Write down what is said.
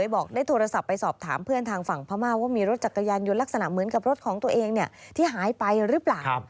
บอกได้โทรศัพท์ไปสอบถามเพื่อนทางฝั่งพม่าว่ามีรถจักรยานยนต์ลักษณะเหมือนกับรถของตัวเองที่หายไปหรือเปล่า